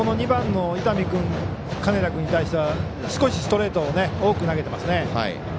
２番の金田君に対しては少しストレートを多く投げてますね。